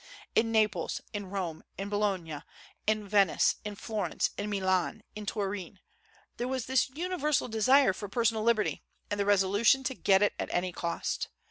In Naples, in Rome, in Bologna, in Venice, in Florence, in Milan, in Turin, there was this universal desire for personal liberty, and the resolution to get it at any cost.